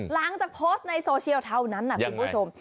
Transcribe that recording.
หลังจากโพสต์ในโซเชียลเท่านั้นนะคุณผู้ชม